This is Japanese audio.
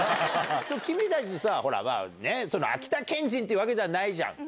君たちさ、秋田県人というわけじゃないじゃん。